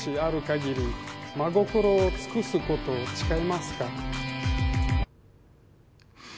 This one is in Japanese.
真心を尽くすことを誓いますか。